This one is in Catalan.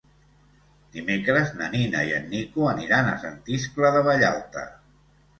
Dimecres na Nina i en Nico aniran a Sant Iscle de Vallalta.